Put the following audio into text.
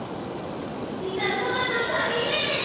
いざそらのたびへ！